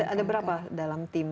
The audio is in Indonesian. ada berapa dalam timnya